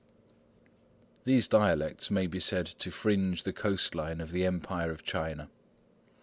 These dialects may be said to fringe the coast line of the Empire of China.